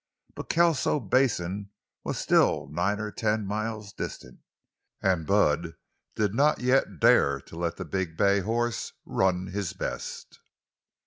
But Kelso Basin was still nine or ten miles distant, and Bud did not yet dare to let the big bay horse run his best.